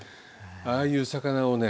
ああいう魚をね